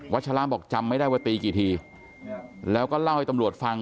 ฉลาบอกจำไม่ได้ว่าตีกี่ทีแล้วก็เล่าให้ตำรวจฟัง